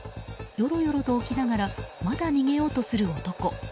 よろよろと起きながらまだ逃げようとする男。